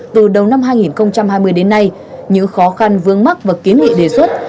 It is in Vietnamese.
từ đầu năm hai nghìn hai mươi đến nay những khó khăn vương mắc và kiến nghị đề xuất